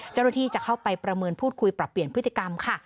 เจ้าหน้าที่จะเข้าไปประเมินพูดคุยปรับเปลี่ยนพฤติกรรมค่ะ